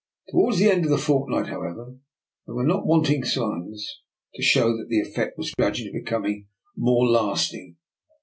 To wards the end of the fortnight, however, there were not wanting signs to show that the ef fect was gradually becoming more lasting.